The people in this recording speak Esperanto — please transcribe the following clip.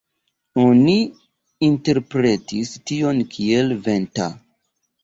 Oni interpretis tion kiel "venta".